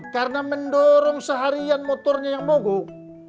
karena mendorong seharian motornya yang mogok